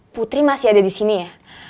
putri masih ada di sini ya